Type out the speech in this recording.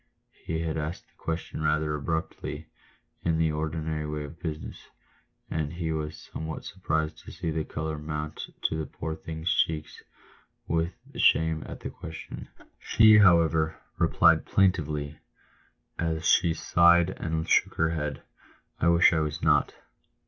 He had asked the question rather abruptly — in the ordinary way of business — and he was somewhat surprised to see the colour mount to the poor thing's cheeks with shame at the question. She, however, replied plaintively, as she sighed and shook her head, "I wish I was not."